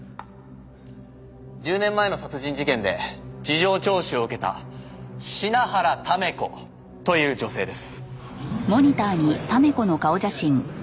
１０年前の殺人事件で事情聴取を受けた品原試子という女性です。